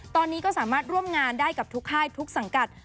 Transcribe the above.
ตอนนี้ก็สามารถร่วมงานได้กับทุกค่ายทุกสังกัด